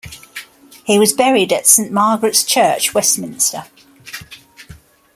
He was buried at Saint Margaret's Church, Westminster.